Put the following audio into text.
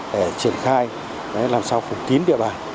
để triển khai làm sao phục tín địa bàn